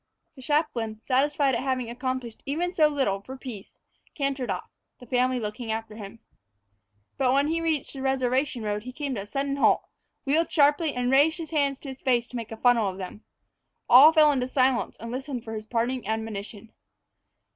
The chaplain, satisfied at having accomplished even so little for peace, cantered off, the family looking after him. But when he reached the reservation road he came to a sudden halt, wheeled sharply, and raised his hands to his face to make a funnel of them. All fell into silence and listened for his parting admonition.